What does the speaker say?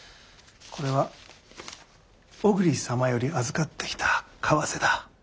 これは小栗様より預かってきた為替だ。